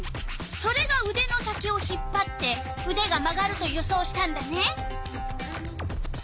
それがうでの先を引っぱってうでが曲がると予想したんだね。